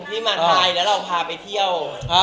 ที่มาไทยแล้วเราพาไปเที่ยว